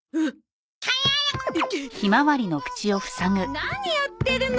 何やってるの？